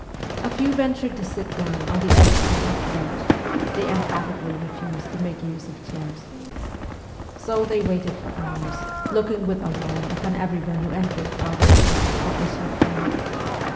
A few ventured to sit down on the edge of an oak bench; they emphatically refused to make use of chairs. So they waited for hours, looking with alarm upon everyone who entered father's room or issued from it.